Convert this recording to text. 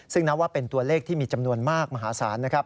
ซึ่งนับว่าเป็นตัวเลขที่มีจำนวนมากมหาศาลนะครับ